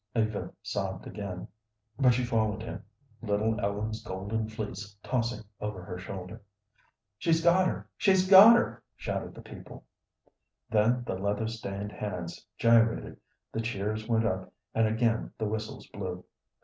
Eva sobbed again; but she followed him, little Ellen's golden fleece tossing over her shoulder. "She's got her; she's got her!" shouted the people. [Illustration: 'She's got her!' Shouted the people] Then the leather stained hands gyrated, the cheers went up, and again the whistles blew.